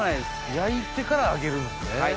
焼いてから揚げるんですね。